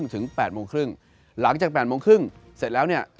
๖๓๐ถึง๘๓๐หลังจาก๘๓๐เสร็จแล้ว